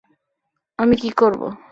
আমি কী করব?